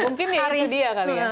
mungkin ya itu dia kali ya